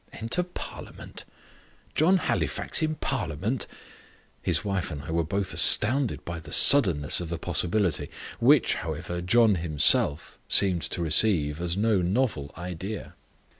Enter parliament! John Halifax in parliament! His wife and I were both astounded by the suddenness of the possibility; which, however, John himself seemed to receive as no novel idea.